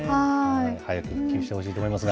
早く復旧してほしいと思いますが。